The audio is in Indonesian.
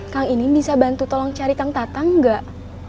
kang inin bisa bantu cari kang tatang enggak